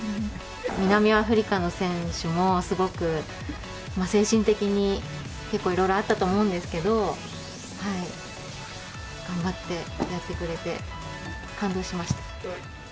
南アフリカの選手も、すごく精神的に、結構いろいろあったと思うんですけど、頑張ってやってくれて感動しました。